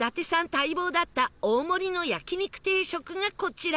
待望だった大盛りの焼肉定食がこちら